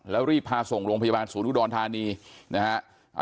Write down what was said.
แล้วรีบพาส่งโรงพยาบาลศูนย์อุดรธานีนะฮะ